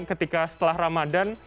ketika setelah ramadhan